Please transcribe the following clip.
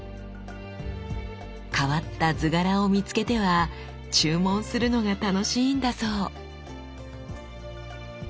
変わった図柄を見つけては注文するのが楽しいんだそう！